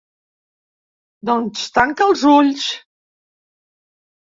Doncs tanca els ulls.